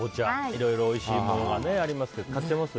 いろいろおいしいものがありますけど買ってます？